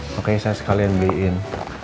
makanya saya sekalian beliin